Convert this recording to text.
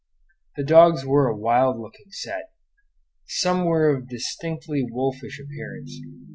The dogs were a wild looking set. Some were of distinctly wolfish appearance.